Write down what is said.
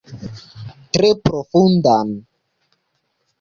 Tre profundan.